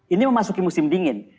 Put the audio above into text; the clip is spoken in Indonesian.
ini memasuki musim dingin